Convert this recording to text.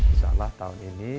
insya allah tahun ini